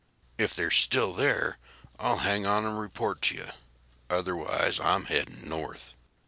If they are still there, I'll hang on and report to you. Otherwise, I'm heading north.